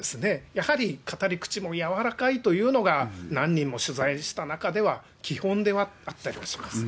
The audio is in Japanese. やはり語り口も柔らかいというのが、何人も取材した中では基本であったりはしますね。